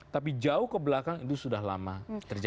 tapi jauh ke belakang itu sudah lama terjadi